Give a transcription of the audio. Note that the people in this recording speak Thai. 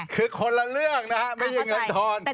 คือคนละเรื่องนะครับไม่มีเงินทอน